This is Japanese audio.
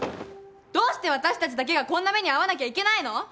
どうして私たちだけがこんな目に遭わなきゃいけないの！？